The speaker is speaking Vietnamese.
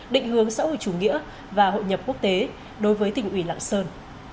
định hướng xã hội chủ nghĩa và hội nhập quốc tế đối với tỉnh ủy lạng sơn